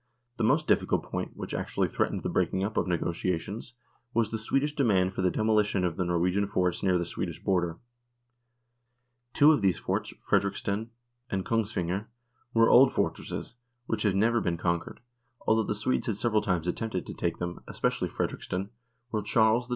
The most difficult point, which actually threatened the breaking up of the negotiations, was the Swedish demand for the demolition of the Nor wegian forts near the Swedish frontier. Two of these forts, Frederiksten and Kongsvinger, were old fortresses, which have never been conquered, although the Swedes had several times attempted to take them, L 146 NORWAY AND THE UNION WITH SWEDEN especially Frederiksten, where Charles XII.